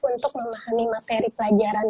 untuk memahami materi pelajaran